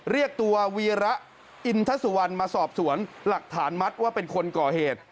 เรียกตัววีระอินทสุวรรณมาสอบสวนหลักฐานมัดว่าเป็นคนก่อเหตุ